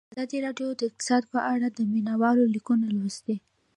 ازادي راډیو د اقتصاد په اړه د مینه والو لیکونه لوستي.